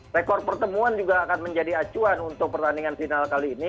rekor pertemuan juga akan menjadi acuan untuk pertandingan final kali ini